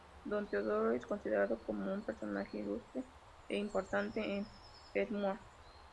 Don Teodoro es considerado como un personaje ilustre e importante en Ermua.